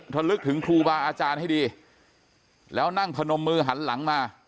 ลึกถึงครูบาอาจารย์ให้ดีแล้วนั่งพนมมือหันหลังมา